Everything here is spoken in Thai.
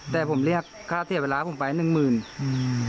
แต่ผมเรียกค่าเสียเวลาผมไปหนึ่งหมื่นอืม